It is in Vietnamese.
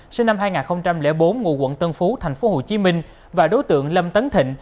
sinh năm hai nghìn bốn ngụ quận tân phú thành phố hồ chí minh và đối tượng lâm tấn thịnh